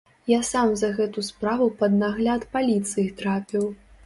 Я сам за гэту справу пад нагляд паліцыі трапіў.